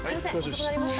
遅くなりました。